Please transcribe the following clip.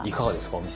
お店。